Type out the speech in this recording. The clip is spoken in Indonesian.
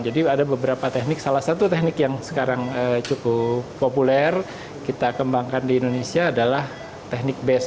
jadi ada beberapa teknik salah satu teknik yang sekarang cukup populer kita kembangkan di indonesia adalah teknik bes